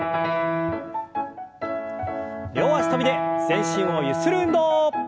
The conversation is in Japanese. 両脚跳びで全身をゆする運動。